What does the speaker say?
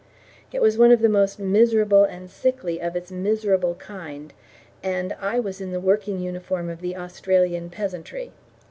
It was one of the most miserable and sickly of its miserable kind, and I was in the working uniform of the Australian peasantry.